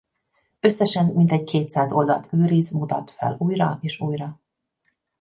Összesen mintegy kétszáz oldalt őriz-mutat fel újra és újra.